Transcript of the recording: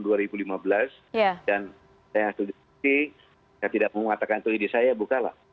dan saya tidak menguatakan itu ide saya bukalah